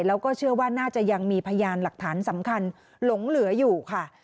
แล้วก็เชื่อว่าน่าจะยังมีพยานหลักฐานสำคัญหลงเหลืออยู่ค่ะ